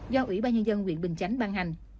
do ủy ban nhân dân huyện bình chánh ban hành